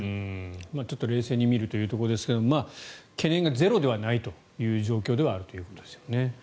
ちょっと冷静に見るというところですが懸念がゼロではないという状況ではあるということですね。